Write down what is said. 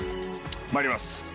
参ります。